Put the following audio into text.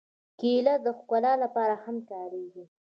کېله د ښکلا لپاره هم کارېږي.